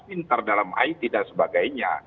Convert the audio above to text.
pintar dalam it dan sebagainya